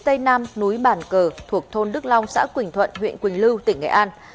tây nam núi bản cờ thuộc thôn đức long xã quỳnh thuận huyện quỳnh lưu tỉnh nghệ an